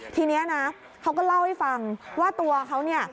ทีนี้นะเขาก็เล่าให้ฟังว่าตัวเขาเนี่ย